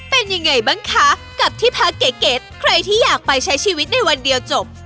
เป็นยังไงบ้างคะกับที่พักเก๋ใครที่อยากไปใช้ชีวิตในวันเดียวจบ